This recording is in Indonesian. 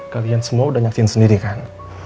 kalian semua udah nyaksin sendiri kan